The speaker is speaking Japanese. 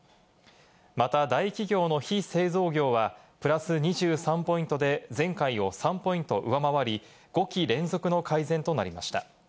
また大企業の非製造業はプラス２３ポイントで、前回を３ポイント上回り、５期連続の改善となりました。